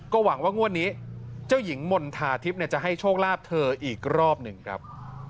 หวังว่างวดนี้เจ้าหญิงมณฑาทิพย์จะให้โชคลาภเธออีกรอบหนึ่งครับ